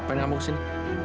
apa yang kamu kesini